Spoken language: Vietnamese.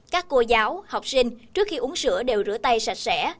các cô giáo học sinh trước khi uống sữa đều rửa tay sạch sẽ